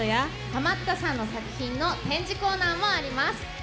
ハマったさんの作品の展示コーナーもあります。